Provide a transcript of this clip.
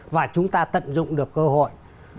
và chúng ta tận dụng được cơ hội